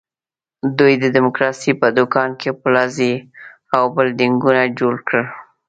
دوی د ډیموکراسۍ په دوکان کې پلازې او بلډینګونه جوړ کړل.